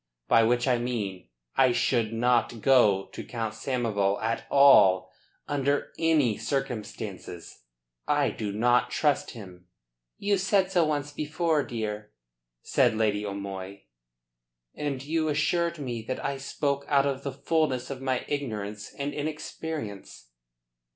By which I mean that I should not go to Count Samoval at all under any circumstances. I do not trust him." "You said so once before, dear," said Lady O'Moy. "And you assured me that I spoke out of the fullness of my ignorance and inexperience."